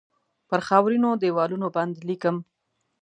پر خاورینو دیوالونو باندې لیکم